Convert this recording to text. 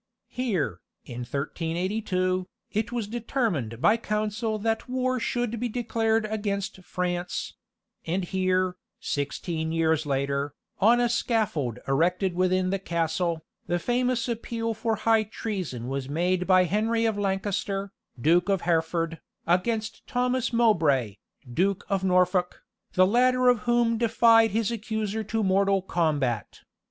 Here, in 1382, it was determined by council that war should be declared against France; and here, sixteen years later, on a scaffold erected within the castle, the famous appeal for high treason was made by Henry of Lancaster, Duke of Hereford, against Thomas Mowbray, Duke of Norfolk, the latter of whom defied his accuser to mortal combat.